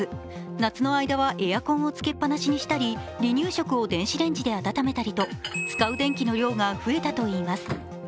夏の間はエアコンをつけっぱなしにしたり離乳食を電子レンジで温めたりと、使う電気の量が増えたといいます。